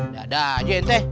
dadah aja ente